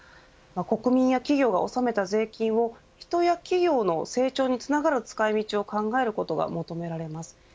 国民や企業が納めた税金を人や企業の成長につながる使い道を考えることが求められます。